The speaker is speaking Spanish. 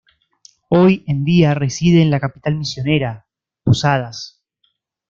Hoy en día reside en la capital misionera, Posadas.